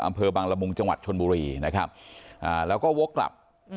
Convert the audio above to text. อำเภอบังละมุงจังหวัดชนบุรีนะครับแล้วก็วกกลับ